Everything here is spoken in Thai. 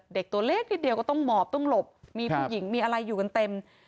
ตัวเล็กนิดเดียวก็ต้องหมอบต้องหลบมีผู้หญิงมีอะไรอยู่กันเต็ม